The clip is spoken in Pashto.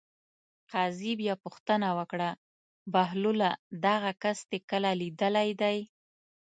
قاضي بیا پوښتنه وکړه: بهلوله دغه کس دې کله لیدلی دی.